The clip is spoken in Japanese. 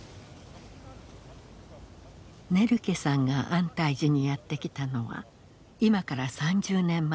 ネルケさんが安泰寺にやって来たのは今から３０年前。